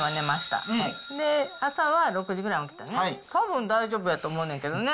たぶん大丈夫やと思うねんけどね。